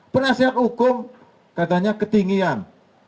penasihat hukum katanya ketinggian